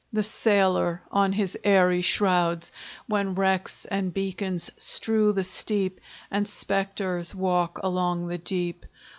The sailor on his airy shrouds; When wrecks and beacons strew the steep, And spectres walk along the deep.